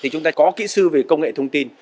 chúng ta có kỹ sư về công nghệ thông tin